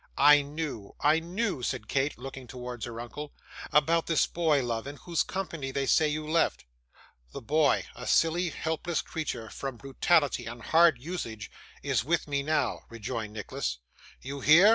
'I knew, I knew,' said Kate, looking towards her uncle. 'About this boy, love, in whose company they say you left?' 'The boy, a silly, helpless creature, from brutality and hard usage, is with me now,' rejoined Nicholas. 'You hear?